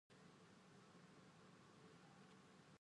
Kau tidak perlu memberi tahu Tom segalanya.